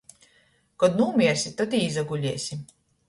Kod nūmiersi, tod i izaguliesi.